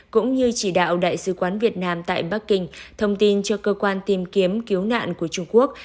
cũng như chỉ đạo đại sứ quán việt nam tại bắc kinh thông tin cho cơ quan tìm kiếm cứu nạn của trung quốc